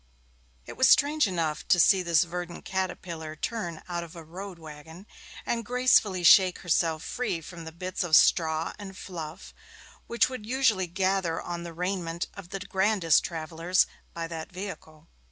It was strange enough to see this verdant caterpillar turn out of a road waggon, and gracefully shake herself free from the bits of straw and fluff which would usually gather on the raiment of the grandest travellers by that vehicle.